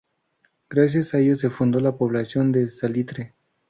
Gracias a ello se fundó la población de Salitre.